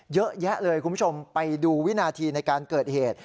เยอะแยะเลยคุณผู้ชมไปดูวินาทีในการเกิดเหตุ